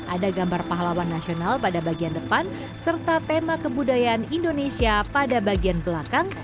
ada gambar pahlawan nasional pada bagian depan serta tema kebudayaan indonesia pada bagian belakang